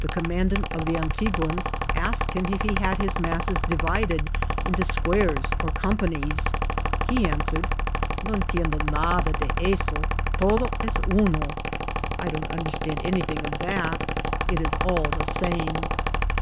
The commandant of the Antiguans asked him if he had his masses divided into squares or conq)anies ; he an swered, ^^No entiendo nada de eso. Todo es uno." >^ I don't understand anything of that. It is all the same."